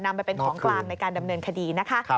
นำไปเป็นของกลางในการดำเนินคดีนะคะ